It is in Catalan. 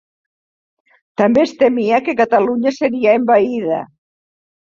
També es temia que Catalunya seria envaïda